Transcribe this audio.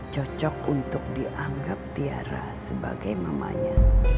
cocok untuk dianggap tiara sebagai mamanya